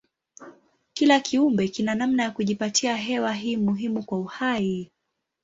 Kila kiumbe kina namna ya kujipatia hewa hii muhimu kwa uhai.